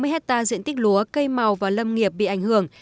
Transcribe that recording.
một trăm tám mươi hectare diện tích lúa cây màu và lâm nghiệp bị ảnh hưởng